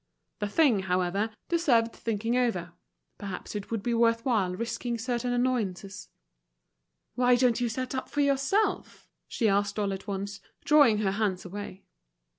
The thing, however, deserved thinking over; perhaps it would be worthwhile risking certain annoyances. "Why don't you set up for yourself?" she asked all at once, drawing her hands away.